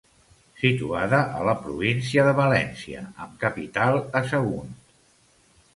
Situada a la província de València, amb capital a Sagunt.